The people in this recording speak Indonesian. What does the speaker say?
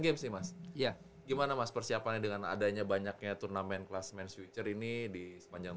games ya gimana mas persiapannya dengan adanya banyaknya turnamen kelas mencuri ini di sepanjang